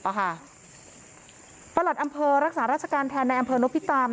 หลัดอำเภอรักษาราชการแทนในอำเภอนพิตาม